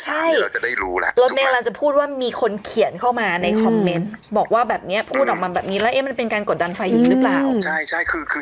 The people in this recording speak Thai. อ้าวใช่แล้วเมลานจะพูดว่ามีคนเขียนเข้ามาในคอมเม้นท์บอกว่าแบบเนี้ยพูดออกมาแบบนี้แล้วมันเป็นการกดดันไฟหญิงหรือเปล่า